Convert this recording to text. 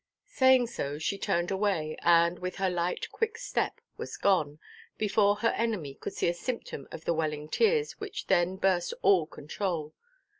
Saying so, she turned away, and, with her light, quick step, was gone, before her enemy could see a symptom of the welling tears which then burst all control.